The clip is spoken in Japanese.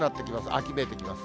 秋めいてきます。